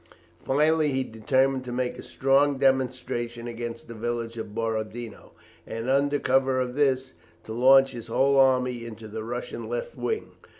Finally he determined to make a strong demonstration against the village of Borodino, and, under cover of this, to launch his whole army upon the Russian left wing.